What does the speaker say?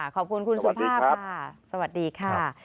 ขอบคุณคุณสุภาพค่ะสวัสดีค่ะ